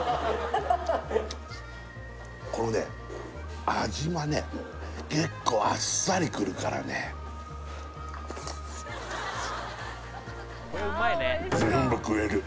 このね味はね結構あっさりくるからねえっ？